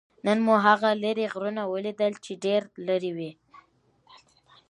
نن مو هغه لرې غرونه ولیدل؟ چې ډېر لرې ول.